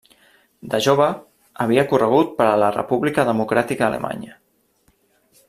De jove havia corregut per la República Democràtica Alemanya.